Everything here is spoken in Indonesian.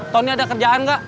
tony ada kerjaan gak